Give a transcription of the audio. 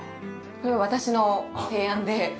これは私の提案で。